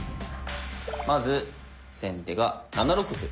まず先手が７六歩。